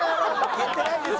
「言ってないです」